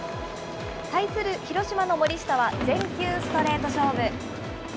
対する広島の森下は、全球ストレート勝負。